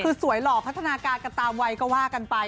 คือสวยหลอกพัฒนากาจตามวัยก็ว่ากันกันไป